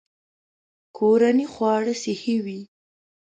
کورني خواړه صحي وي.